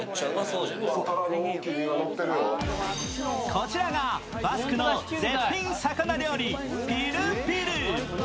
こちらがバスクの絶品魚料理ピルピル。